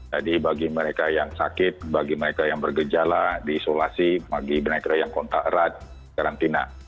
jadi bagi mereka yang sakit bagi mereka yang bergejala diisolasi bagi mereka yang kontak erat karantina